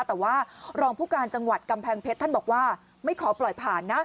แต่ว่ารองผู้การจังหวัดกำแพงเพชรท่านบอกว่าไม่ขอปล่อยผ่านนะ